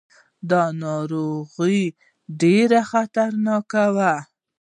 دا ناروغي ډېره خطرناکه وه.